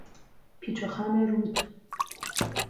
پیچ و خم رود